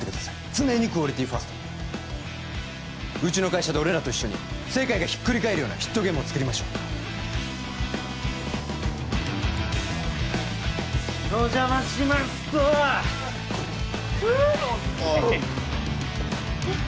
常にクオリティファーストでうちの会社で俺らと一緒に世界がひっくり返るようなヒットゲームを作りましょうお邪魔しますっとふうヘヘッえっ？